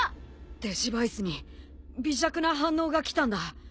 デジヴァイスに微弱な反応が来たんだ。